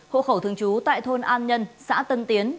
hộ khẩu thường trú tại thôn an nhân xã tân tiến